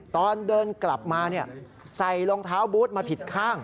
ตอนเดินกลับมาใส่รองเท้าบูธมาผิดข้าง